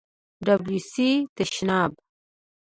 🚾 تشناب